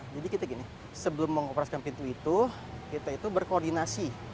jadi kita gini sebelum mengoperasikan pintu itu kita itu berkoordinasi